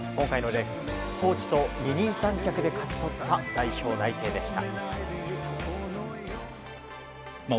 コーチと二人三脚で勝ち取った代表内定でした。